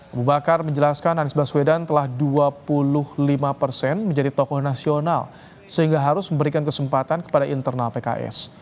abu bakar menjelaskan anies baswedan telah dua puluh lima persen menjadi tokoh nasional sehingga harus memberikan kesempatan kepada internal pks